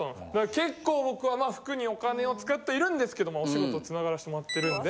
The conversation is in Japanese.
結構僕はまあ服にお金を使っているんですけどもお仕事つながらせてもらってるんで。